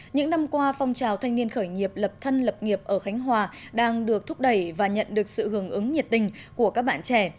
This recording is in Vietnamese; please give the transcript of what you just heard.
những năm qua phong trào thanh niên khởi nghiệp lập thân lập nghiệp ở khánh hòa đang được thúc đẩy và nhận được sự hưởng ứng nhiệt tình của các bạn trẻ